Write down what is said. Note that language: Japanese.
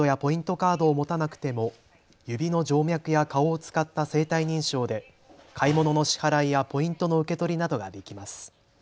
カードを持たなくても指の静脈や顔を使った生体認証で買い物の支払いやポイントの受け取りなどができます。